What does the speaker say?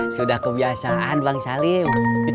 sudah kebiasaan bang salim